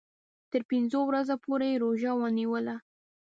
تر پنځو ورځو پوري یې روژه ونیوله.